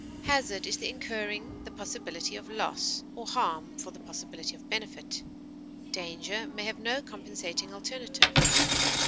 Hazard is the incurring the possibility of loss or harm for the possibility of benefit; danger may have no compensating alternative.